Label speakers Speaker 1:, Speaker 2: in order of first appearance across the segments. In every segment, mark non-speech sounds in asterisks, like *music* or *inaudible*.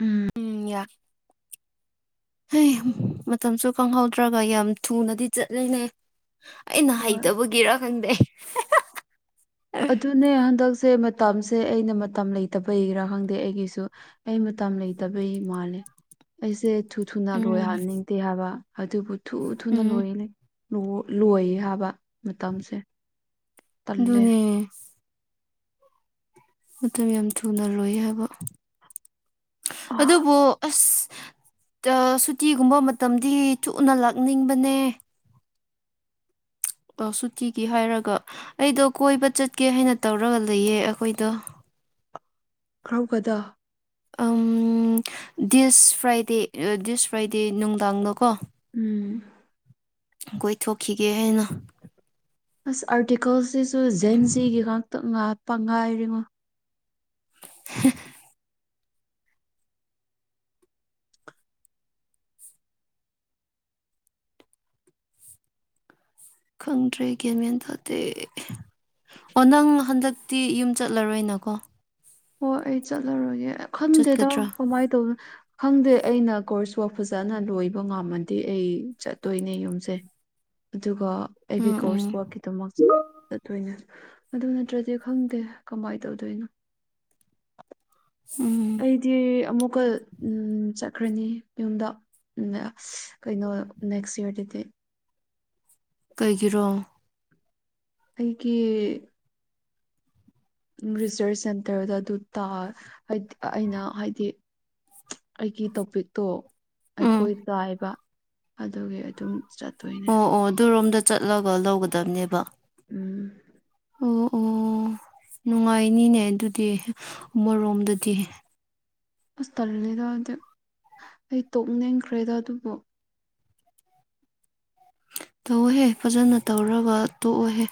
Speaker 1: ꯎꯝ
Speaker 2: ꯎꯝ ꯌꯥ ꯍ ꯃꯇꯝꯁꯨ ꯈꯪꯍꯧꯗ꯭ꯔꯒ ꯌꯥꯝ ꯊꯨꯅꯗꯤ ꯆꯠꯂꯤꯅꯦ ꯑꯩꯅ
Speaker 1: ꯍꯣꯏ
Speaker 2: ꯍꯩꯇꯕꯒꯤꯔꯥ ꯈꯪꯗꯦ
Speaker 1: ꯑꯗꯨꯅꯦ ꯍꯟꯗꯛꯁꯦ ꯃꯇꯝꯁꯦ ꯑꯩꯅ ꯃꯇꯝ ꯂꯩꯇꯕ ꯍꯒꯔꯥ ꯈꯪꯗꯦ ꯑꯩꯒꯤꯁꯨ ꯑꯩ ꯃꯇꯝ ꯂꯩꯇꯕꯩ ꯃꯥꯜꯂꯦ ꯑꯩꯁꯦ ꯊꯨ ꯊꯨꯅ
Speaker 2: ꯎꯝ
Speaker 1: ꯂꯣꯏꯍꯟꯅꯤꯡꯗꯦ ꯍꯥꯏꯕ ꯑꯗꯨꯕꯨ ꯊꯨ ꯊꯨꯅ
Speaker 2: ꯎꯝ
Speaker 1: ꯂꯣꯏꯜꯂꯤ ꯂꯣꯏ ꯍꯥꯏꯕ ꯃꯇꯝꯁꯦ ꯇꯜꯂꯦ
Speaker 2: ꯅꯦ ꯃꯇꯝ ꯌꯥꯝ ꯊꯨꯅ ꯂꯣꯏ ꯍꯥꯏꯕ
Speaker 1: ꯑꯥ
Speaker 2: ꯑꯗꯨꯕꯨ ꯑꯁ ꯁꯨꯇꯤꯒꯨꯝꯕ ꯃꯇꯝꯗꯤ ꯊꯨꯅ ꯂꯥꯛꯅꯤꯡꯕꯅꯦ ꯁꯨꯇꯤꯒꯤ ꯍꯥꯏꯔꯒ ꯑꯩꯗꯣ ꯀꯣꯏꯕ ꯆꯠꯀꯦ ꯍꯥꯏꯅ ꯇꯧꯔꯒ ꯂꯩꯌꯦ ꯑꯩꯈꯣꯏꯗ
Speaker 1: ꯀ꯭ꯔꯥꯎꯒꯗ
Speaker 2: ꯗꯤꯁ ꯐ꯭ꯔꯥꯏꯗꯦ ꯗꯤꯁ ꯐ꯭ꯔꯥꯏꯗꯦ ꯅꯨꯡꯗꯥꯡꯗꯀꯣ
Speaker 1: ꯎꯝ
Speaker 2: ꯀꯣꯏꯊ ꯊꯣꯛꯈꯤꯒꯦ ꯍꯥꯏꯅ
Speaker 1: ꯑꯁ ꯑꯥꯔꯇꯤꯀꯜꯁꯤꯁꯨ ꯖꯦꯟ ꯖꯤꯒꯤ ꯉꯥꯛꯇ ꯉꯄ ꯉꯥꯏꯔꯤꯉꯣ
Speaker 2: *unintelligible* ꯈꯪꯗ꯭ꯔꯦ ꯒꯦꯝ ꯃꯦꯟ ꯇꯥꯗꯦ ꯑꯣ ꯅꯪ ꯍꯟꯗꯛꯇꯤ ꯌꯨꯝ ꯆꯠꯂꯔꯣꯏꯅꯀꯣ
Speaker 1: ꯍꯣꯏ ꯑꯩ ꯆꯠꯂꯔꯣꯏꯒꯦ ꯈꯟꯗꯦꯗ
Speaker 2: ꯆꯠꯀꯗ꯭ꯔꯥ
Speaker 1: ꯀꯃꯥꯏꯅ ꯇꯧꯅꯣ ꯈꯪꯗꯦ ꯑꯩꯅ ꯀꯣꯔꯁꯐ ꯐꯖꯅ ꯂꯣꯏꯕ ꯉꯝꯃꯗꯤ ꯑꯩ ꯆꯠꯇꯣꯏꯅꯦ ꯌꯨꯝꯁꯦ ꯑꯗꯨꯒ ꯑꯩꯒꯤ
Speaker 2: ꯎꯝ
Speaker 1: ꯀꯣꯔꯁ
Speaker 2: ꯎꯝ
Speaker 1: ꯋꯥꯛꯛꯀꯤꯗꯃꯛꯣꯏꯅ ꯑꯗꯨ ꯅꯠꯇ꯭ꯔꯗꯤ ꯈꯪꯗꯦ ꯀꯃꯥꯏꯅ ꯇꯧꯗꯣꯏꯅꯣ
Speaker 2: ꯎꯝ
Speaker 1: ꯑꯩꯗꯤ ꯑꯃꯨꯛꯀ ꯆꯠ ꯆꯠꯈ꯭ꯔꯅꯤ ꯌꯨꯝꯗ ꯀꯩꯅꯣ ꯅꯦꯛꯁ ꯌꯔꯗꯗꯤ
Speaker 2: ꯀꯩꯒꯤꯔꯣ
Speaker 1: ꯑꯩꯒꯤ ꯔꯤꯁꯔꯁ ꯁꯦꯟꯇꯔꯗ ꯑꯗꯨ ꯇ ꯍꯥꯏꯗꯤ ꯑꯩꯅ ꯍꯥꯏꯗꯤ ꯑꯩꯒꯤ ꯇꯣꯄꯤꯛꯇꯣ
Speaker 2: ꯎꯝ
Speaker 1: ꯑꯩꯈꯣꯏ ꯇꯥꯏꯕ ꯑꯗꯨꯒꯤ ꯑꯗꯨꯝ ꯆꯠ
Speaker 2: ꯑꯣ ꯑꯣ ꯑꯗꯨꯔꯣꯝꯗ ꯆꯠꯂꯒ ꯂꯧꯒꯗꯕꯅꯦꯕ
Speaker 1: ꯎꯝ
Speaker 2: ꯑꯣ ꯑꯣ ꯅꯨꯡꯉꯥꯏꯅꯤꯅꯦ ꯑꯗꯨꯗꯤ ꯑꯃꯔꯣꯝꯗꯗꯤ
Speaker 1: ꯍꯁ ꯇꯜꯂꯤꯗ ꯍꯥꯏꯗꯤ ꯑꯩ ꯇꯣꯛꯅꯤꯡꯈ꯭ꯔꯦꯗ ꯑꯗꯨꯕꯨ
Speaker 2: ꯇꯧꯍꯦ ꯐꯖꯅ ꯇꯧꯔꯒ ꯇꯣꯛꯑꯣꯍꯦ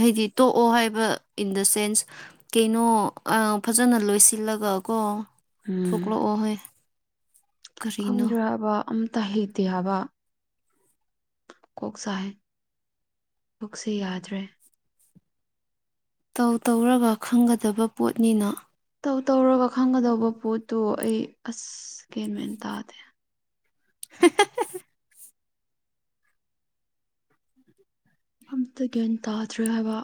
Speaker 2: ꯍꯥꯏꯗꯤ ꯇꯣꯛꯑꯣ ꯍꯥꯏꯕ ꯏꯟ ꯗ ꯁꯦꯟꯁ ꯀꯩꯅꯣ ꯐꯖꯅ ꯂꯣꯏꯁꯤꯜꯂꯒ ꯀꯣ ꯊꯣꯛꯂꯛꯑꯣ ꯍꯣꯏ ꯀꯔꯤꯅꯣ
Speaker 1: ꯈꯪꯗ꯭ꯔ ꯍꯥꯏꯕ ꯑꯝꯇ ꯍꯩꯇꯦ ꯍꯥꯏꯕ ꯀꯣꯛ ꯆꯥꯏ ꯀꯛꯁꯦ ꯌꯥꯗ꯭ꯔꯦ
Speaker 2: ꯇꯧ ꯇꯧꯔꯒ ꯈꯪꯒꯗꯕ ꯄꯣꯠꯅꯤꯅ
Speaker 1: ꯧ ꯇꯧꯔꯒ ꯈꯪꯒꯗꯧꯕ ꯄꯣꯠꯇꯣ ꯑꯩ ꯑꯁ ꯀꯦꯟ ꯃꯦꯟ ꯇꯥꯗꯦ
Speaker 2: *unintelligible*
Speaker 1: ꯑꯝꯇ ꯒ꯭ꯌꯥꯟ ꯇꯥꯗ꯭ꯔꯦ ꯍꯥꯏꯕ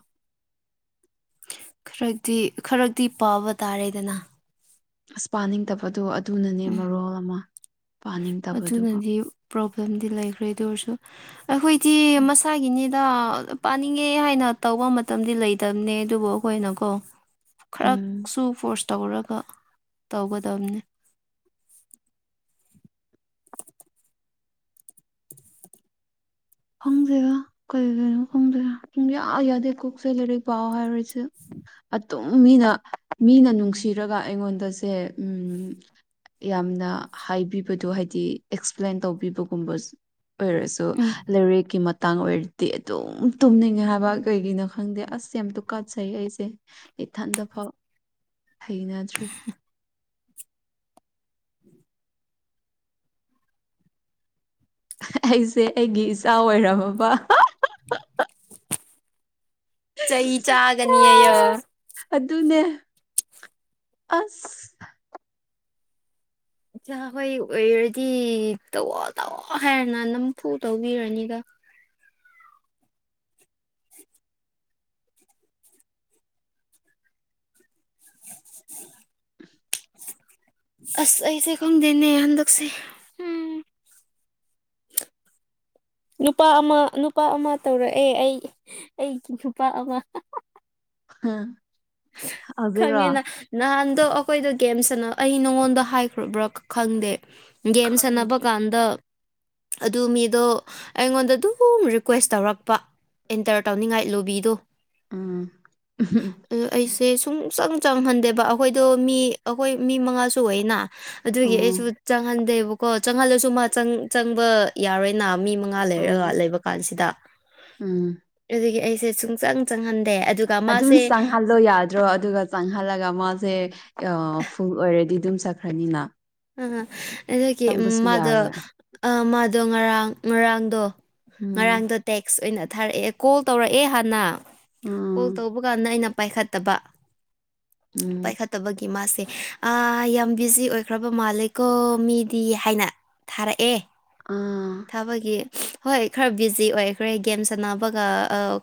Speaker 2: ꯈꯔꯛꯇꯤ ꯈꯔꯛꯇꯗꯤ ꯄꯥꯕ ꯇꯥꯔꯦꯗꯅ
Speaker 1: ꯑꯁ ꯄꯥꯅꯤꯡꯗꯕꯗꯣ ꯑꯗꯨꯅꯅꯦ
Speaker 2: ꯎꯝ
Speaker 1: ꯃꯔꯣꯜ ꯑꯃ ꯄꯥꯅꯤꯡꯗꯕꯗꯨꯒ
Speaker 2: ꯑꯗꯨꯅꯗꯤ ꯄ꯭ꯔꯣꯕ꯭ꯂꯦꯝꯗꯤ ꯂꯩꯈ꯭ꯔꯦ ꯑꯗꯨ ꯑꯣꯏꯔꯁꯨ ꯑꯩꯈꯣꯏꯗꯤ ꯃꯁꯥꯒꯤꯅꯦ ꯄꯥꯅꯤꯡꯉꯦ ꯍꯥꯏꯅ ꯇꯧꯕ ꯃꯇꯝꯗꯤ ꯂꯩꯇꯕꯅꯦ ꯑꯗꯨꯕꯨ ꯑꯩꯈꯣꯏꯅꯀꯣ
Speaker 1: ꯎꯝ
Speaker 2: ꯈꯔꯁꯨ ꯐꯣꯔꯁ ꯇꯧꯔꯒ ꯇꯧꯒꯗꯕꯅꯤ
Speaker 1: ꯈꯪꯖꯦꯔ ꯀꯔꯤꯒꯤꯅꯣ ꯈꯪꯗꯔ ꯁꯨꯝ ꯌꯥꯗꯦ ꯀꯣꯛꯁꯦ ꯂꯥꯏꯔꯤꯛ ꯄꯥꯎ ꯍꯥꯏꯔꯤꯁꯦ ꯑꯗꯨꯝ ꯃꯤꯅ ꯃꯤꯅ ꯅꯨꯡꯁꯤꯔꯒ ꯑꯩꯉꯣꯟꯗꯁꯦ ꯎꯝ ꯌꯥꯝꯅ ꯍꯥꯏꯕꯤꯕꯗꯣ ꯍꯥꯏꯗꯤ ꯑꯦꯛꯁꯄ꯭ꯂꯦꯟ ꯇꯧꯕꯤꯕꯒꯨꯝꯕ ꯑꯣꯏꯔꯁꯨ
Speaker 2: ꯎꯝ
Speaker 1: ꯂꯥꯏꯔꯛꯀꯤ ꯃꯇꯥꯡ ꯑꯣꯏꯔꯗꯤ ꯑꯗꯨꯝ ꯇꯨꯝꯅꯤꯡꯉꯦ ꯍꯥꯏꯕ ꯀꯩꯒꯤꯅꯣ ꯈꯪꯗꯦ ꯑꯁ ꯌꯥꯝꯇ ꯀꯥꯠꯆꯩ ꯑꯩꯁꯦ ꯏꯊꯟꯗꯐꯥꯎ ꯍꯩꯅꯗ꯭ꯔꯤ ꯑꯩꯁꯦ ꯑꯩꯒꯤ ꯏꯆꯥ ꯑꯣꯏꯔꯝꯃꯕ
Speaker 2: ꯆꯩ ꯆꯥꯒꯅꯤꯑꯌꯣ
Speaker 1: ꯑꯗꯨꯅꯦ ꯑꯁ
Speaker 2: ꯏꯆꯥ ꯍꯣꯏ ꯑꯣꯏꯔꯗꯤ ꯇꯧꯋꯣ ꯇꯧꯋꯣ ꯍꯥꯏꯔꯅ ꯅꯝꯐꯨ ꯇꯧꯕꯤꯔꯅꯤꯗ *inaudible* ꯑꯁ ꯑꯩꯁꯦ ꯈꯪꯗꯦꯅꯦ ꯍꯟꯗꯛꯁꯦ ꯎꯝ ꯅꯨꯄꯥ ꯑꯃ ꯅꯨꯄꯥ ꯑꯃ ꯇꯧꯔꯛꯑꯦ ꯑꯩ ꯑꯩꯒꯤ ꯅꯨꯄꯥ ꯑꯃ
Speaker 1: ꯍꯪ
Speaker 2: ꯈꯪꯉꯦꯅ ꯅꯍꯥꯟꯗꯣ ꯑꯩꯈꯣꯏꯗꯣ ꯒꯦꯝ ꯁꯅꯥ ꯑꯩ ꯅꯉꯣꯟꯗ ꯍꯥꯏꯈ꯭ꯔꯕ꯭ꯔꯥ ꯈꯪꯗꯦ ꯒꯦꯝ ꯁꯥꯟꯅꯕ
Speaker 1: ꯈꯪꯗ꯭ꯔꯦ
Speaker 2: ꯀꯥꯟꯗ ꯑꯗꯨ ꯃꯤꯗꯣ ꯑꯩꯉꯣꯟꯗ ꯑꯗꯨꯝ ꯔꯤꯀ꯭ꯋꯦꯁ ꯇꯧꯔꯛꯄ ꯑꯦꯟꯇꯔ ꯇꯧꯅꯤꯡꯉꯥꯏ ꯂꯣꯕꯤꯗꯣ
Speaker 1: ꯎꯝ
Speaker 2: ꯑꯣ ꯑꯩꯁꯦ ꯁꯨꯡꯆꯪ ꯆꯪꯍꯟꯗꯦꯕ ꯑꯩꯈꯣꯏꯗꯣ ꯃꯤ ꯑꯩꯈꯣꯏ ꯃꯤ ꯃꯉꯥꯁꯨ ꯑꯣꯏꯌꯦꯅ ꯑꯗꯨꯒꯤ ꯑꯩꯁꯨ
Speaker 1: ꯎꯝ
Speaker 2: ꯆꯪꯍꯟꯗꯦꯕꯀꯣ ꯆꯪꯍꯜꯂꯁꯨ ꯃꯥ ꯆꯪ ꯆꯪꯕ ꯌꯥꯔꯣꯏꯅ ꯃꯤ ꯃꯉꯥ ꯉꯥ ꯂꯩꯔꯒ
Speaker 1: ꯎꯝ
Speaker 2: ꯂꯩꯕ ꯀꯥꯟꯁꯤꯗ
Speaker 1: ꯎꯝ
Speaker 2: ꯑꯗꯨꯒꯤ ꯑꯩꯁꯦ ꯁꯨꯡꯆꯪ ꯆꯪꯍꯟꯗꯦ ꯑ ꯨꯑꯗꯨꯒ ꯃꯥꯁꯦ
Speaker 1: ꯈꯜꯂꯣ ꯌꯥꯗ꯭ꯔꯣ ꯑꯗꯨꯒ ꯆꯪꯍꯜꯂꯒ ꯃꯥꯁꯦ ꯐꯨꯜ ꯑꯣꯏꯔꯗꯤ ꯑꯗꯨꯝ ꯆꯠꯈ꯭ꯔꯅꯤꯅ
Speaker 2: ꯑ ꯑꯗꯒꯤ
Speaker 1: ꯆꯪꯕꯁꯨ
Speaker 2: ꯃꯥꯗꯣ
Speaker 1: ꯌꯥꯔꯣꯏ
Speaker 2: ꯑꯥ ꯃꯥꯗꯣ ꯉꯔꯥꯡ ꯉꯔꯥꯡꯗꯣ
Speaker 1: ꯎꯝ
Speaker 2: ꯉꯔꯥꯡꯗ ꯇꯦꯛꯁ ꯑꯣꯏꯅ ꯊꯥꯔꯛꯑꯦ ꯀꯣꯜ ꯇꯧꯔꯛꯑꯦ ꯍꯥꯟꯅ ꯀꯣꯜ
Speaker 1: ꯎꯝ
Speaker 2: ꯇꯧꯕ ꯀꯥꯟꯗ ꯑꯩꯅ ꯄꯥꯏꯈꯠꯇꯕ
Speaker 1: ꯎꯝ
Speaker 2: ꯄꯥꯏꯈꯠꯇꯕꯒꯤ ꯃꯥꯁꯦ ꯑ ꯌꯥꯝ ꯕꯤꯖꯤ ꯑꯣꯏ ꯈ꯭ꯔꯕ ꯃꯥꯜꯂꯤꯀꯣ ꯃꯤꯗꯤ ꯍꯥꯏꯅ ꯊꯥꯔꯛꯑꯦ
Speaker 1: ꯑꯥ
Speaker 2: ꯊꯥꯕꯒꯤ ꯍꯣꯏ ꯈꯔ ꯕꯤꯖꯤ ꯑꯣꯏꯈ꯭ꯔꯦ ꯒꯦꯝ ꯁꯥꯟꯅꯕꯒ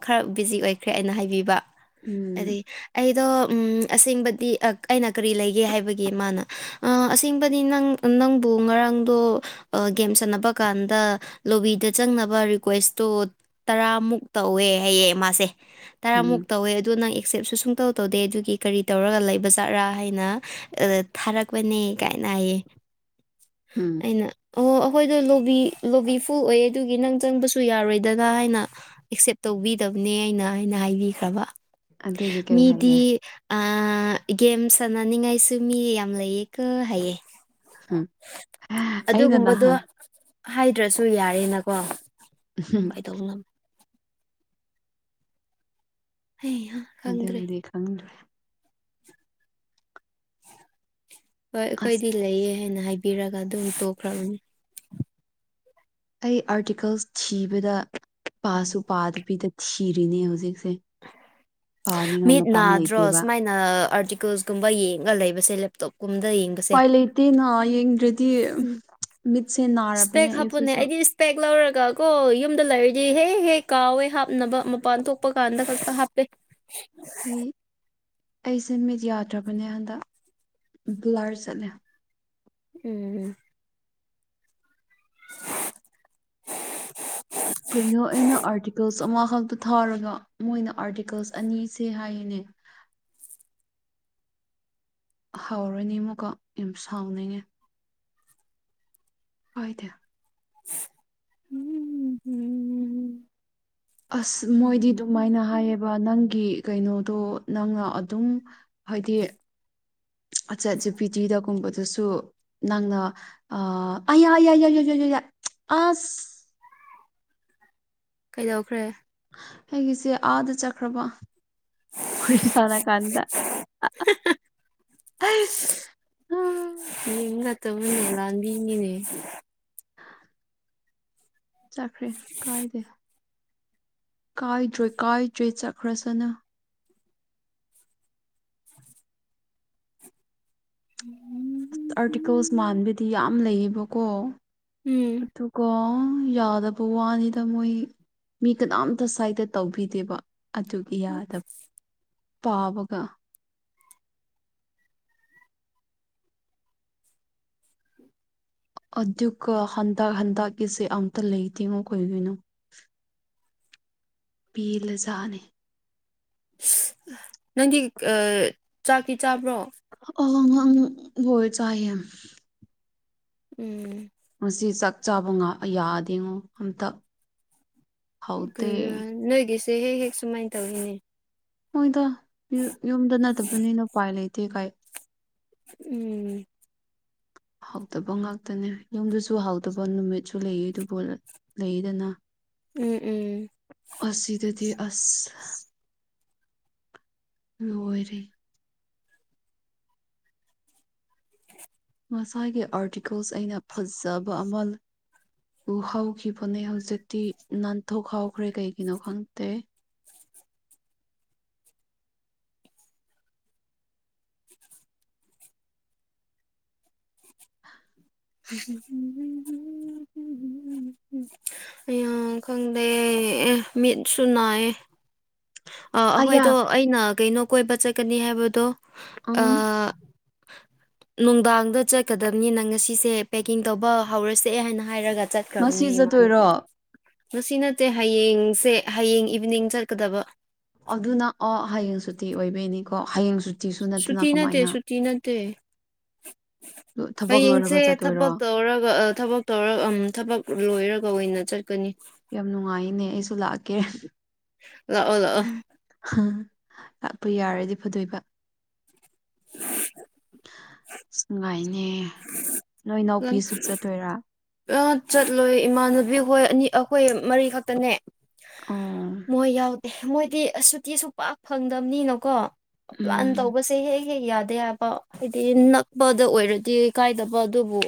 Speaker 2: ꯈꯔ ꯕꯤꯖꯤ ꯑꯣꯏꯈ꯭ꯔꯦ ꯑꯩꯅ ꯍꯥꯏꯕꯤꯕ
Speaker 1: ꯎꯝ
Speaker 2: ꯑꯗꯤ ꯑꯩꯗꯣ ꯎꯝ ꯑꯁꯦꯡꯕꯗꯤ ꯑꯩꯅ ꯀꯔꯤ ꯂꯩꯒꯦ ꯍꯥꯏꯕꯒꯤ ꯃꯥꯅ ꯑꯁꯦꯡꯕꯗꯤ ꯅꯪ ꯅꯪꯕꯨ ꯉꯔꯥꯡꯗꯣ ꯒꯦꯝ ꯁꯥꯟꯅꯕ ꯀꯥꯟꯗ ꯂꯣꯕꯤꯗ ꯆꯪꯅꯕ ꯔꯤꯀ꯭ꯋꯦꯁꯇꯣ ꯇꯔꯥꯃꯨꯛ ꯇꯧꯋꯦ ꯍꯥꯏꯌꯦ ꯃꯥꯁꯦ ꯇꯔꯥꯃꯨꯛ
Speaker 1: ꯎꯝ
Speaker 2: ꯇꯧꯋꯦ ꯑꯗꯨꯗꯣ ꯅꯪ ꯑꯦꯛꯁꯦꯞꯁꯨ ꯁꯨꯡ ꯇꯧ ꯇꯧꯗꯦ ꯑꯗꯨꯒꯤ ꯀꯔꯤ ꯇꯧꯔꯒ ꯂꯩꯕ ꯖꯥꯠꯔꯥ ꯍꯥꯏꯅ ꯊꯥꯔꯛ ꯄꯅꯦ ꯀꯥꯏꯅ ꯍꯥꯏꯌꯦ
Speaker 1: ꯎꯝ
Speaker 2: ꯑꯩꯅ ꯑꯣ ꯑꯩꯈꯣꯏꯗ ꯂꯣꯕꯤ ꯂꯣꯕꯤ ꯐꯨꯜ ꯑꯣꯏꯌꯦ ꯑꯗꯨꯒꯤ ꯅꯪ ꯆꯪꯕꯁꯨ ꯌꯥꯔꯣꯏꯗꯔ ꯍꯥꯏꯅ ꯑꯦꯛꯁꯦꯞ ꯇꯧꯕꯤꯗꯕꯅꯦ ꯑꯩꯅ ꯑꯩꯅ ꯍꯥꯏꯕꯤꯈ꯭ꯔꯕ
Speaker 1: ꯑꯗꯨꯒꯤ ꯀꯩ
Speaker 2: ꯃꯤꯗꯤ
Speaker 1: ꯍꯥꯏꯒꯦ
Speaker 2: ꯑꯥ ꯒꯦꯝ ꯁꯥꯟꯅꯅꯤꯡꯉꯥꯏꯁꯨ ꯃꯤ ꯌꯥꯝ ꯂꯩꯌꯦ ꯀꯣ ꯍꯥꯢꯌꯦ
Speaker 1: ꯎꯝ ꯑꯩꯅ
Speaker 2: ꯑꯗꯨꯒꯨꯝꯕꯗꯣ
Speaker 1: ꯅꯍꯥꯟ
Speaker 2: ꯍꯥꯏꯗ꯭ꯔꯁꯨ ꯌꯥꯔꯦꯅꯀꯣ
Speaker 1: *unintelligible*
Speaker 2: ꯀꯩꯗꯧꯅꯣ ꯍꯩꯍꯥ
Speaker 1: ꯑꯗꯨꯕꯨꯗꯤ ꯈꯪꯗ꯭ꯔꯦ
Speaker 2: ꯍꯣꯏ
Speaker 1: ꯑꯁ
Speaker 2: ꯑꯩꯈꯣꯏꯗꯤ ꯂꯩꯌꯦ ꯍꯥꯏꯅ ꯍꯥꯏꯕꯤꯔꯒ ꯑꯗꯨꯝ ꯇꯣꯛꯈ꯭ꯔꯕꯅꯦ
Speaker 1: ꯑꯩ ꯑꯥꯔꯇꯤꯀꯜꯁ ꯊꯤꯕꯗ ꯄꯥꯁꯨ ꯄꯥꯗꯕꯤꯗ ꯊꯤꯔꯤꯅꯦ ꯍꯧꯖꯤꯛꯁꯦ ꯄꯥꯅꯤꯡꯉꯥꯢ
Speaker 2: ꯃꯤꯠ
Speaker 1: ꯃꯇꯝ
Speaker 2: ꯅꯥꯗ꯭ꯔꯣ
Speaker 1: ꯂꯩꯇꯦꯕ
Speaker 2: ꯁꯨꯃꯥꯏꯅ ꯑꯥꯔꯇꯤꯀꯜꯁꯀꯨꯝꯕ ꯌꯦꯡꯉ ꯂꯩꯕꯁꯦ ꯂꯦꯞꯇꯣꯞꯀꯨꯝꯗ ꯌꯦꯡ
Speaker 1: ꯎꯄꯥꯏ ꯂꯩꯇꯦꯅ ꯌꯦꯡꯗ꯭ꯔꯗꯤ ꯃꯤꯠꯁꯦ ꯅꯥꯔꯕꯅꯦ ꯑꯩꯁꯤꯁꯨ
Speaker 2: ꯄꯦꯛ ꯂꯧꯔꯒ ꯀꯣ ꯌꯨꯝꯗ ꯂꯩꯔꯗꯤ ꯍꯦ ꯍꯦꯛ ꯀꯥꯎꯋꯦ ꯍꯥꯞꯅꯕ ꯃꯄꯥꯟ ꯊꯣꯛꯄ ꯀꯥꯟꯗ ꯈꯛꯇ ꯍꯥꯞꯄꯦ *inaudible*
Speaker 1: ꯑꯩ ꯑꯩꯁꯦ ꯃꯤꯠ ꯌꯥꯗ꯭ꯔꯕꯅꯦ ꯍꯟꯗꯛ ꯕ꯭ꯂꯥꯔ ꯆꯠꯂꯦ
Speaker 2: ꯎꯝ
Speaker 1: ꯀꯩꯅꯣ ꯑꯩꯅ ꯑꯥꯔꯇꯤꯀꯜꯁ ꯑꯃꯈꯛꯇ ꯊꯥꯔꯒ ꯃꯣꯏꯅ ꯑꯥꯔꯇꯤꯀꯜꯁ ꯑꯅꯤꯁꯦ ꯍꯥꯏꯌꯦꯅꯦ ꯍꯥꯎꯔꯣꯏꯅꯦ ꯏꯃꯨꯀꯣ ꯌꯥꯝ ꯁꯥꯎꯅꯤꯡꯉꯦ ꯍꯣꯏꯗ
Speaker 2: ꯎꯝꯝ
Speaker 1: ꯑꯁ ꯃꯣꯏꯗꯤ ꯑꯗꯨꯃꯥꯏꯅ ꯍꯥꯏꯌꯦꯕ ꯅꯪꯒꯤ ꯀꯩꯅꯣꯗꯣ ꯅꯪꯅ ꯑꯗꯨꯝ ꯍꯥꯏꯗꯤ ꯑꯠꯆꯥ ꯄ꯭ꯔꯤꯊꯤꯗꯒꯨꯝꯕꯗꯨꯁꯨ ꯅꯪꯅ ꯑ ꯑꯏꯏꯏꯏꯏ ꯑꯁ
Speaker 2: ꯀꯩꯗꯧꯈ꯭ꯔꯦ
Speaker 1: ꯑꯩꯒꯤꯁꯦ ꯑꯥꯗ ꯆꯠꯈ꯭ꯔꯕ ꯄꯨꯔꯤ ꯁꯅꯥ ꯀꯥꯟꯗ
Speaker 2: ꯃꯤ ꯅꯠꯇꯕꯅꯦ ꯂꯥꯡꯕꯤꯉꯤꯅꯦ
Speaker 1: ꯆꯠꯈ꯭ꯔꯦ ꯀꯥꯏꯗꯦ ꯀꯥꯏꯗ꯭ꯔꯣꯏ ꯀꯥꯏꯗ꯭ꯔꯦ ꯆꯠꯈ꯭ꯔꯁꯅ
Speaker 2: ꯎꯝ
Speaker 1: ꯑꯥꯔꯇꯤꯀꯜꯁ ꯃꯥꯟꯕꯥꯟꯕꯗꯤ ꯌꯥꯝ ꯂꯩꯌꯦꯕꯀꯣ
Speaker 2: ꯎꯝ
Speaker 1: ꯑꯗꯨꯒ ꯌꯥꯗꯕ ꯋꯥꯅꯤꯗ ꯃꯣꯏ ꯃꯤ ꯀꯅꯥꯝꯇ ꯁꯥꯏꯗ ꯇꯧꯕꯤꯗꯦꯕ ꯑꯗꯨ ꯌꯥꯗꯕ ꯄꯥꯕꯒ ꯑꯗꯨꯒ ꯍꯟꯗꯛ ꯍꯟꯇꯛꯀꯤꯁꯦ ꯑꯝꯇ ꯂꯩꯇꯦꯉꯣ ꯀꯩꯒꯤꯅꯣ ꯄꯤꯂꯖꯥꯅꯦ
Speaker 2: ꯑ ꯅꯪꯗꯤ ꯆꯥꯛꯀꯤ ꯆꯥꯕ꯭ꯔꯣ
Speaker 1: ꯑ ꯍꯣꯏ ꯆꯑ
Speaker 2: ꯎꯝ
Speaker 1: ꯉ ꯆꯥꯛ ꯆꯥꯕ ꯌꯥꯗꯦꯉꯣ ꯑꯝꯇ
Speaker 2: ꯀ
Speaker 1: ꯍꯥꯎꯇꯦ
Speaker 2: ꯅꯣꯏꯒꯤꯁꯦ ꯍꯦꯛ ꯍꯦꯛ ꯁꯨꯃꯥꯏꯅ ꯇꯧꯏꯅꯦ
Speaker 1: ꯃꯣꯏꯗ ꯌꯨꯝꯗ ꯅꯠꯇꯕꯅꯤꯅ ꯎꯄꯥꯏ ꯂꯩꯇꯦ ꯀꯥꯏ
Speaker 2: ꯎꯝ
Speaker 1: ꯍꯥꯎꯇꯕ ꯉꯥꯛꯇꯅꯦ ꯌꯨꯝꯗꯨꯁꯨ ꯍꯥꯎꯗꯕ ꯅꯨꯃꯤꯠꯁꯨ ꯂꯩꯌꯦ ꯑꯗꯨꯕꯨ ꯂꯩꯗꯅ
Speaker 2: ꯎꯝ ꯎꯝ
Speaker 1: ꯑꯗꯗꯤ ꯑꯁ ꯂꯣꯏꯔ ꯃꯁꯥꯒꯤ ꯑꯥꯔꯇꯤꯀꯜꯁ ꯑꯩꯅ ꯐꯖꯕ ꯑꯃꯜ ꯎ ꯍꯧꯥꯎꯈꯤꯕꯅꯦ ꯍꯧꯖꯤꯛꯇꯤ ꯅꯥꯟꯊꯣꯛ ꯍꯥꯎꯈ꯭ꯔꯦ ꯀꯩꯒꯤꯅꯣ ꯈꯪꯗꯦ
Speaker 2: *unintelligible* ꯈꯪꯗꯦ ꯃꯤ ꯁꯨꯅꯥ ꯑ
Speaker 1: ꯑꯌꯥ
Speaker 2: ꯑꯩꯍꯣꯏꯗꯣ ꯑꯩꯅ ꯀꯩꯅꯣ ꯀꯣꯏꯕ ꯆꯠꯀꯅꯤ ꯍꯥꯏꯕꯗꯣ
Speaker 1: ꯎꯝ
Speaker 2: ꯅꯨꯡꯗꯥꯡꯗ ꯆꯠꯀꯗꯕꯅꯤ ꯅꯪ ꯉꯁꯤꯁꯦ ꯄꯦꯛꯀꯤꯡ ꯇꯧꯕ ꯍꯧꯔꯁꯦ ꯍꯥꯏꯅ ꯍꯥꯏꯔꯒ ꯆꯠ
Speaker 1: ꯉꯁꯤ
Speaker 2: ꯀꯝꯅꯦ ꯃꯥꯅꯗꯤ
Speaker 1: ꯆꯠꯇꯣꯏꯔꯣ
Speaker 2: ꯉꯁꯤ ꯅꯠꯇꯦ ꯍꯌꯦꯡꯁꯦ ꯍꯌꯦꯡ ꯏꯚꯅꯤꯡ ꯆꯠꯀꯗꯕ
Speaker 1: ꯑꯗꯨꯅ ꯑꯣ ꯍꯌꯦꯡ ꯁꯨꯇꯤ ꯑꯣꯏꯕꯩꯅꯤꯀꯣ ꯍꯌꯦꯡ ꯁꯨꯇꯤ
Speaker 2: ꯁꯨꯇ ꯅꯠꯇꯦ ꯁꯨꯇ ꯅꯠꯇ
Speaker 1: ꯂꯣ- ꯊꯕꯛ
Speaker 2: ꯍꯌꯦꯡꯁꯦ
Speaker 1: ꯂꯣꯏꯔꯒ ꯆꯠꯇꯣꯏꯔꯣ
Speaker 2: ꯊꯕꯛ ꯇꯧꯔꯒ ꯊꯕꯛ ꯇꯧꯔ ꯊꯕꯛ ꯂꯣꯏꯔꯒ ꯑꯣꯏꯅ ꯆꯠꯀꯅꯤ
Speaker 1: ꯌꯥꯝ ꯅꯨꯡꯉꯥꯏꯅꯦ ꯑꯩꯁꯨ ꯂꯥꯛꯀꯦ
Speaker 2: ꯂꯥꯛꯑꯣ ꯂꯥꯛꯑꯣ
Speaker 1: ꯂꯥꯛꯄ ꯌꯥꯔꯗꯤ ꯐꯗꯣꯏꯕ ꯁꯉꯥꯏꯅꯦ
Speaker 2: ꯎ ꯆꯠꯂꯣꯏ ꯏꯃꯥꯟꯅꯕꯤ ꯍꯈꯣꯏ ꯑꯅꯤ ꯑꯩꯈꯣꯏ ꯃꯔꯤ ꯈꯛꯇꯅꯦ
Speaker 1: ꯑꯥ
Speaker 2: ꯃꯣꯏ ꯌꯥꯎꯗꯦ ꯃꯣꯏꯗꯤ ꯑ ꯁꯇꯤꯁꯨ ꯄꯥꯛ ꯐꯪꯗꯕꯅꯤꯅꯀꯣ ꯄ꯭ꯂꯥꯟ
Speaker 1: ꯎꯝ
Speaker 2: ꯇꯧꯕꯁꯦ ꯍꯦꯛ ꯍꯦꯛ ꯌꯥꯗꯦ ꯍꯥꯏꯕ ꯍꯥꯏꯗꯤ ꯅꯛꯄꯗ ꯑꯣꯏꯔꯗꯤ ꯀꯥꯏꯗꯕ ꯑꯗꯨꯕꯨ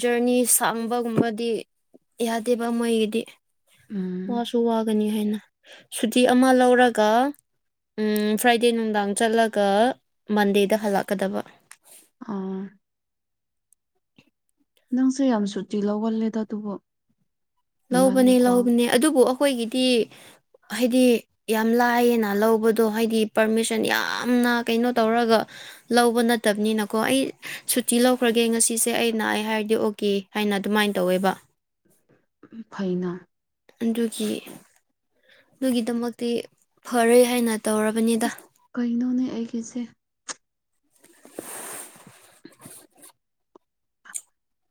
Speaker 2: ꯖꯔꯅꯤ ꯁꯥꯡꯝꯕꯒꯨꯝꯕꯗꯤ ꯌꯥꯗꯦꯕ ꯃꯣꯏꯒꯤꯗꯤ
Speaker 1: ꯎꯝ꯫
Speaker 2: ꯋꯥꯁꯨ ꯋꯥꯒꯅꯤ ꯍꯥꯏꯅ ꯁꯨꯇꯤ ꯑꯃ ꯂꯧꯔꯒ ꯎꯝ ꯐ꯭ꯔꯥꯏꯗꯦ ꯅꯨꯡꯗꯥꯡ ꯆꯠꯂꯒ ꯃꯟꯗꯦꯗ ꯍꯜꯂꯛꯀꯗꯕ꯫
Speaker 1: ꯑꯥ꯫ ꯅꯪꯁꯨ ꯌꯥꯝ ꯁꯨꯇꯤ ꯂꯧꯒꯜꯂꯦꯗ ꯑꯗꯨꯕꯨ
Speaker 2: ꯂꯧꯕꯅꯦ
Speaker 1: ꯍꯦꯟꯃꯜꯂꯦꯀꯣ
Speaker 2: ꯂꯧꯕꯅꯦ ꯑꯗꯨꯕꯨ ꯑꯩꯈꯣꯏꯒꯤꯗꯤ ꯍꯥꯏꯗꯤ꯫ ꯌꯥꯝ ꯂꯥꯏꯌꯦꯅ ꯂꯧꯕꯗꯣ ꯍꯥꯏꯗꯤ ꯄꯔꯃꯤꯁꯟ ꯌꯥꯝꯅ ꯀꯩꯅꯣ ꯇꯧꯔꯒ꯫ ꯂꯧꯕ ꯅꯠꯇꯕꯅꯤꯅꯀꯣ ꯑꯩ ꯁꯨꯇꯤ ꯂꯧꯈ꯭ꯔꯒꯦ ꯉꯁꯤꯁꯦ ꯑꯩꯅ ꯅꯥꯢ ꯍꯥꯏꯔꯗꯤ ꯑꯣꯀꯦ꯫ ꯑꯩꯅ ꯑꯗꯨꯃꯥꯏꯅ ꯇꯧꯋꯦꯕ꯫
Speaker 1: ꯐꯩꯅ꯫
Speaker 2: ꯑꯗꯨꯒꯤ ꯅꯒꯤꯗꯃꯛꯇꯤ ꯐꯔꯣꯏ ꯍꯥꯏꯅ ꯇꯧꯔꯕꯅꯤꯗ
Speaker 1: ꯑꯁ ꯀꯩꯅꯣꯅꯦ ꯑꯩꯒꯤꯁꯦ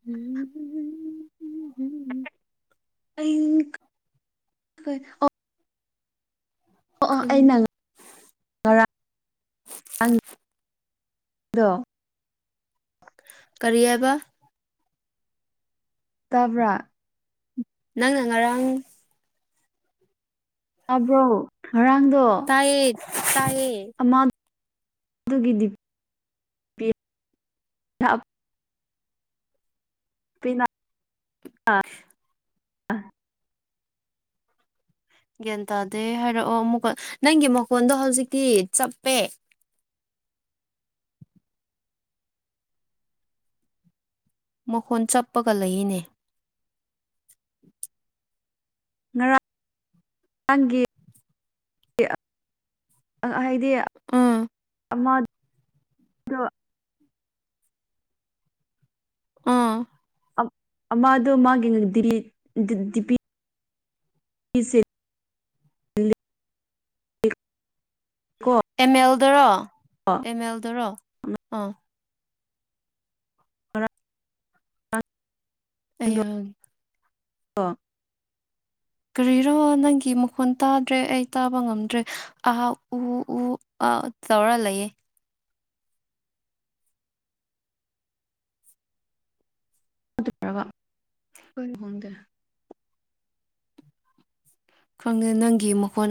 Speaker 2: ꯎꯝ
Speaker 1: ꯑꯩ ꯑꯣ ꯑꯣ
Speaker 2: ꯈꯪꯗꯦ
Speaker 1: ꯑꯩꯅ ꯉꯔꯥꯡ ꯑꯗꯣ *inaudible*
Speaker 2: ꯀꯔꯤ ꯍꯥꯢꯕ
Speaker 1: ꯇꯥꯕ꯭ꯔꯥ
Speaker 2: ꯅꯪꯅ ꯉꯔꯥꯡ
Speaker 1: ꯇꯥꯕ꯭ꯔꯣ ꯉꯔꯥꯡꯗꯣ
Speaker 2: ꯇꯥꯢꯌꯦ ꯇꯥꯢꯌꯦ
Speaker 1: ꯑꯃ ꯑꯗꯨꯒꯤꯗꯤ ꯄꯤꯅ ꯑꯥ
Speaker 2: ꯒ꯭ꯌꯥꯟ ꯇꯥꯗꯦ ꯍꯥꯏꯔꯛꯑꯣ ꯑꯃꯨꯛꯀ ꯅꯪꯒꯤ ꯃꯈꯣꯟꯗꯣ ꯍꯧꯖꯤꯛꯀꯤ ꯆꯞꯄꯦ꯫ ꯃꯈꯣꯟ ꯆꯞꯄꯒ ꯂꯩꯌꯦꯅꯦ꯫
Speaker 1: ꯉꯔꯥ ꯔꯥꯡꯒꯤ ꯍꯥꯏꯗꯤ
Speaker 2: ꯎꯝ
Speaker 1: ꯑꯃ
Speaker 2: ꯎꯝ꯫
Speaker 1: ꯑꯃꯥꯗꯣ ꯃꯥꯒꯤ *inaudible* ꯀꯣ
Speaker 2: ꯑꯦꯝ ꯑꯦꯜꯗꯔꯣ ꯑꯦꯝ ꯑꯦꯜꯗꯔꯣ ꯑꯥ꯫
Speaker 1: ꯉꯔꯥꯡ
Speaker 2: ꯑꯩꯌ꯫
Speaker 1: ꯑꯣ꯫
Speaker 2: ꯀꯔꯤꯔꯣ ꯅꯪꯒꯤ ꯃꯈꯣꯟ ꯇꯥꯗ꯭ꯔꯦ ꯑꯩ ꯇꯥꯕ ꯉꯝꯗ꯭ꯔꯦ꯫ ꯑ ꯎ ꯎ ꯑ ꯇꯧꯔ ꯂꯩꯌꯦ꯫
Speaker 1: *inaudible*
Speaker 2: ꯈꯪꯉ ꯅꯪꯒꯤ ꯃꯈꯣꯟ